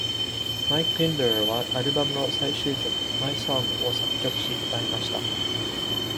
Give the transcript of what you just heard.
Mike Pinder はアルバムの最終曲「My Song」を作曲し、歌いました。